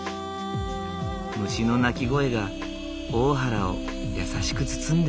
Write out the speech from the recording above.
虫の鳴き声が大原を優しく包んでいる。